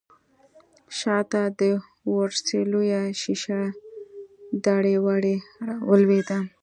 شا ته د ورسۍ لويه شيشه دړې وړې راولوېده.